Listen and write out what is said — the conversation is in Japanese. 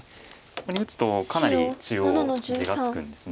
ここに打つとかなり中央で地がつくんです。